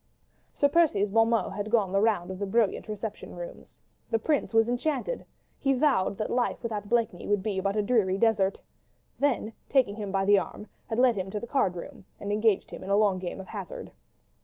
Sir Percy's bon mot had gone the round of the brilliant reception rooms. The Prince was enchanted. He vowed that life without Blakeney would be but a dreary desert. Then, taking him by the arm, had led him to the card room, and engaged him in a long game of hazard.